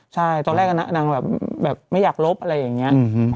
ใช่ตอนแรกนางไม่อยากลบอะไรแบบนี้